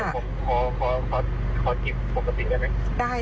ขอกินปกติได้ไหม